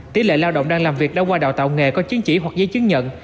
tỷ lệ lao động đang làm việc đã qua đào tạo nghề có chứng chỉ hoặc giấy chứng nhận